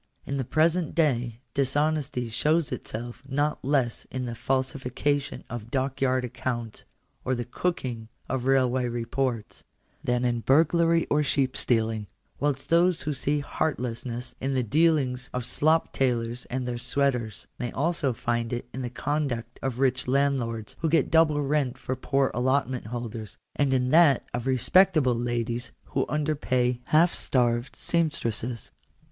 In the present day dishonesty shows itself not less in the falsification of dockyard accounts, or the " cooking" of railway reports, than in burglary or sheep stealing; whilst those who see heartlessness in the dealings of slop tailors and their sweaters, may also find it in the conduct of rich landlords, who get double rent from poor allotment holders a , and in that of respectable ladies who under pay half starved seamstresses b